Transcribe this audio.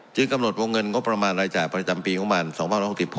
กำหนดวงเงินงบประมาณรายจ่ายประจำปีของมัน๒๖๖